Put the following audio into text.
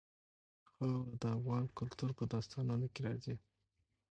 خاوره د افغان کلتور په داستانونو کې راځي.